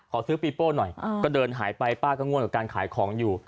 ขอซื้อปีโป้หน่อยก็เดินหายไปป้าก็ง่วนกับการขายของอยู่